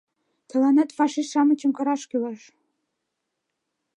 Тыланет фашист-шамычым кыраш кӱлеш!..